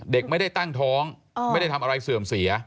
เด็กไม่ได้ตั้งท้องไม่ได้ทำอะไรเสื่อมเสีย